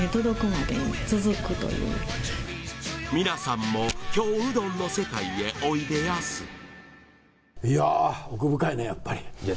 皆さんも京うどんの世界へおいでやすいや奥深いねやっぱり。